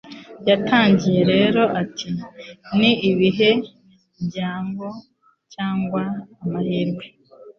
Yatangiye rero ati Ni ibihe byago cyangwa amahirwe